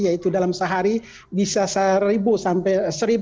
yaitu dalam sehari bisa satu sampai satu dua ratus